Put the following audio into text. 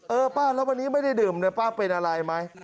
เออป้าแล้ววันนี้ไม่ได้ดื่มเลยป้าเป็นอะไรไหม